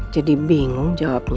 jadi bingung jawabnya